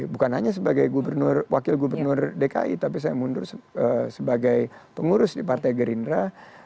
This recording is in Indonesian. bukan hanya sebagai wakil gubernur dki tapi saya mundur sebagai pengurus di partai gerindra